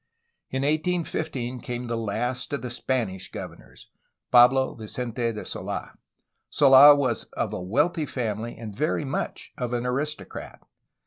In 1815 came the last of the Spanish governors, Pablo Vicente de Sold. Sola was of a wealthy family and very much of an aristocrat.